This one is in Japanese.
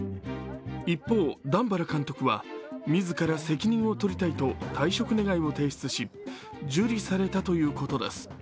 一方、段原監督は、自ら責任を取りたいと退職願を提出し受理されたということです。